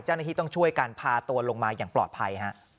เจ้าหน้าที่ต้องช่วยกันพาตัวลงมาอย่างปลอดภัยฮะ